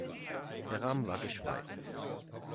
Der Rahmen war geschweißt.